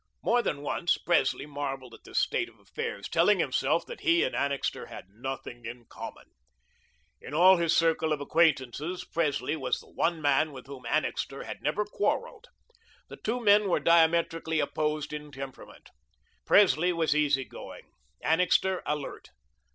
More than once, Presley marvelled at this state of affairs, telling himself that he and Annixter had nothing in common. In all his circle of acquaintances, Presley was the one man with whom Annixter had never quarrelled. The two men were diametrically opposed in temperament. Presley was easy going; Annixter, alert.